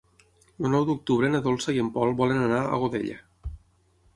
El nou d'octubre na Dolça i en Pol volen anar a Godella.